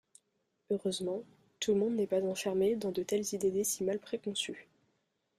Heureusement, tout le monde n'est pas enfermé dans de telles idées décimales préconçues.